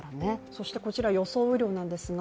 そしてこちら、予想雨量なんですが。